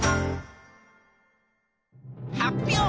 「発表！